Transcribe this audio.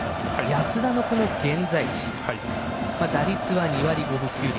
安田の現在地打率は２割５分９厘。